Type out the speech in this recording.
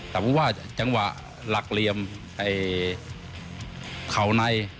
สมมุติว่าจังหวะหลักเหลี่ยมเขาใน